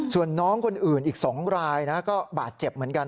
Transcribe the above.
ส่วนน้องคนอื่นอีก๒รายนะก็บาดเจ็บเหมือนกัน